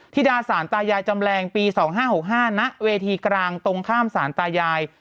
ธิดาสารตายายจำแรงปี๒๕๖๕ณเวทีกลางตรงข้ามสารตายาย